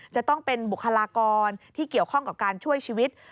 จะต้องเป็นบุคลากรที่เกี่ยวข้องกับการช่วยชีวิต